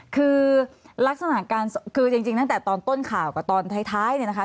คือลักษณะการคือจริงตั้งแต่ตอนต้นข่าวกับตอนท้ายเนี่ยนะคะ